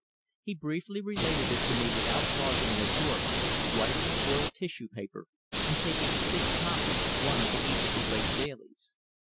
He briefly related it to me without pausing in his work, writing on oiled tissue paper and taking six copies, one for each of the great dailies.